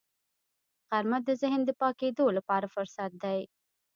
غرمه د ذهن د پاکېدو لپاره فرصت دی